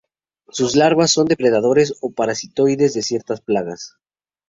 Sus larvas son depredadores o parasitoides de ciertas plagas.